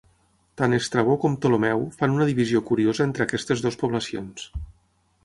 Tant Estrabó com Ptolemeu fan una divisió curiosa entre aquestes dues poblacions.